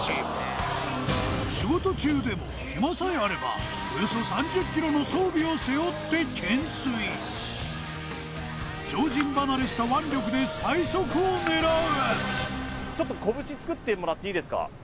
仕事中でも暇さえあればを背負って懸垂常人離れした腕力で最速を狙うちょっと拳つくってもらっていいですか？